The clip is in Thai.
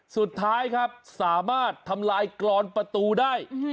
สุดท้ายครับสามารถทำลายกรอนประตูได้